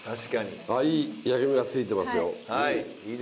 あいい焼き目がついてますよ。